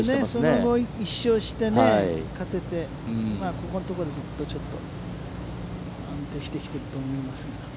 その後、１勝して勝ててここのところ、ずっと安定してきていると思いますが。